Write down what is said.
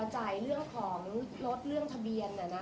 จ่ายเรื่องของรถเรื่องทะเบียน